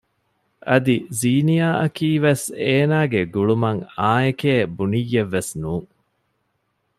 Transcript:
އަދި ޒީނިޔާ އަކީ ވެސް އޭނާގެ ގުޅުމަށް އާއެކޭ ބުނިއްޔެއްވެސް ނޫން